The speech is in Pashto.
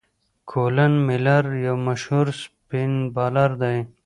کولن میلیر یو مشهور سپېن بالر دئ.